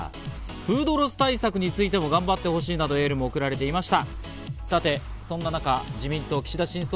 フードロス対策についても頑張ってほしいというエールも送られていました。